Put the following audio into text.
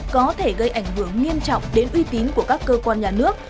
có thể gây ảnh hưởng nghiêm trọng đến uy tín của các cơ quan nhà nước